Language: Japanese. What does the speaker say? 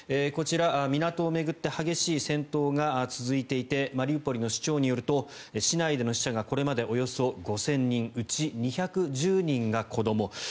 こちら、港を巡って激しい戦闘が続いていてマリウポリの市長によると市内での死者がこれまでおよそ５０００人うち２１０人が子ども。